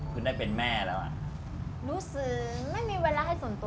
รู้สึกไม่มีเวลาให้ส่วนตัว